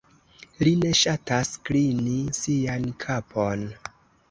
Li ne ŝatas klini sian kapon.